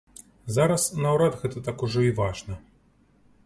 Зараз наўрад гэта так ужо і важна.